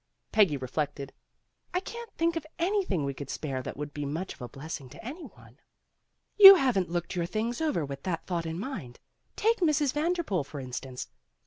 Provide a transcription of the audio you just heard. Peggy reflected. "I can't think of anything we could spare that would be much of a bless ing to any one." "You haven't looked your things over with that thought in mind. Take Mrs. Vander pool, for instance.